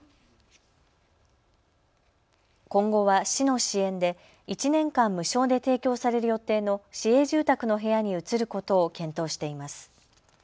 今後は市の支援で１年間、無償で提供される予定の市営住宅の部屋に移ることを検討しています。